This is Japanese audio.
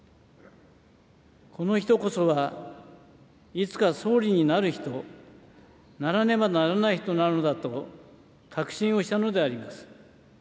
この人こそはいつか総理になる人、ならねばならない人なのだと確信をしたのであります。